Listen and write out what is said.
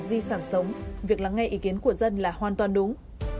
làm gì sản sống việc lắng nghe ý kiến của dân là hoàn toàn đúng